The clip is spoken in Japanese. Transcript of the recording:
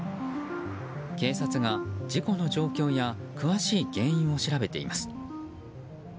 警察が事故の状況や詳しい原因を調べています。